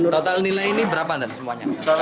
total nilai ini berapa dan semuanya